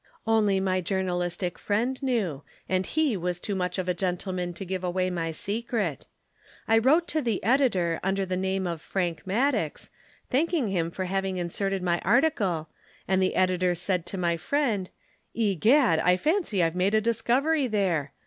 Only my journalistic friend knew; and he was too much of a gentleman to give away my secret. I wrote to the editor under the name of Frank Maddox, thanking him for having inserted my article, and the editor said to my friend, 'Egad, I fancy I've made a discovery there.